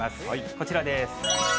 こちらです。